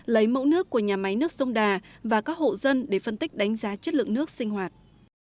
lấy mẫu nước của nhà máy nước sông đà và các hộ dân để phân tích đánh giá chất lượng nước sinh hoạt